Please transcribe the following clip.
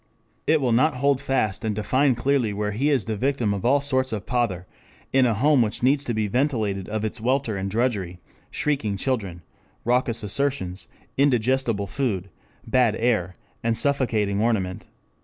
It will not hold fast and define clearly where he is the victim of all sorts of pother, in a home which needs to be ventilated of its welter of drudgery, shrieking children, raucous assertions, indigestible food, bad air, and suffocating ornament.